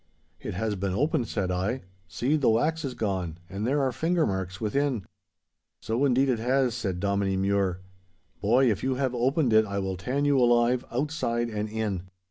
'It has been opened,' said I. 'See, the wax is gone, and there are finger marks within.' 'So, indeed, it has,' said Dominie Mure. 'Boy, if you have opened it I will tan you alive, outside and in.